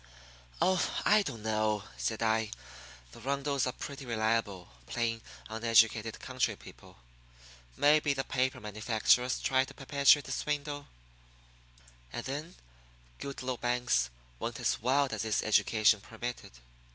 "Oh, I don't know," said I. "The Rundles are pretty reliable, plain, uneducated country people. Maybe the paper manufacturers tried to perpetrate a swindle." And then Goodloe Banks went as wild as his education permitted.